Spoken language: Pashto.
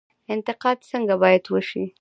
انتقاد څنګه باید وشي؟